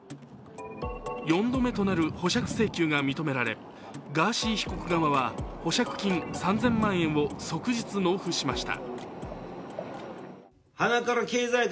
４度目となる保釈請求が認められガーシー被告側は保釈金３０００万円を即日納付しました。